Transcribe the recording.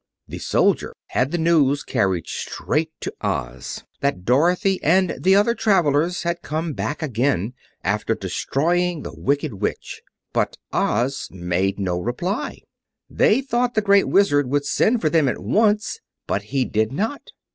The soldier had the news carried straight to Oz that Dorothy and the other travelers had come back again, after destroying the Wicked Witch; but Oz made no reply. They thought the Great Wizard would send for them at once, but he did not.